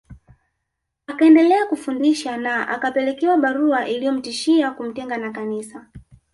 Akaendelea kufundisha na akapelekewa barua iliyomtishia kumtenga na Kanisa